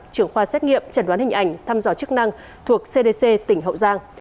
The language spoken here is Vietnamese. trưởng khoa xét nghiệm chẩn đoán hình ảnh thăm dò chức năng thuộc cdc tỉnh hậu giang